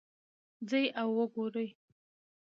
ځئ او وګورئ